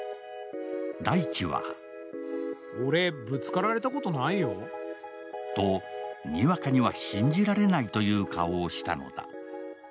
大地はと、にわかには信じられないという顔をしたのだ。